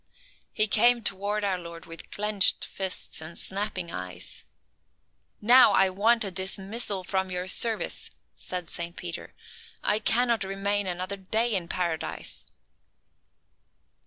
He came toward our Lord with clenched fists and snapping eyes. "Now I want a dismissal from your service!" said Saint Peter. "I can not remain another day in Paradise."